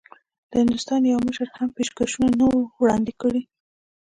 د هندوستان یوه مشر هم پېشکشونه نه وو وړاندي کړي.